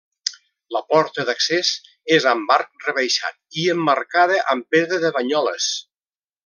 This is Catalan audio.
La porta d'accés és amb arc rebaixat i emmarcada amb pedra de Banyoles.